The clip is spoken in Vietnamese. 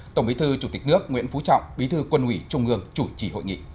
tổng bí thư chủ tịch nước nguyễn phú trọng bí thư quân ủy trung ương chủ trì hội nghị